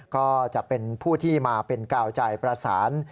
ก็จะเป็นผู้ที่มาเป็นกาวใจประสาน